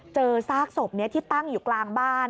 เจอซากศพนี้ที่ตั้งอยู่กลางบ้าน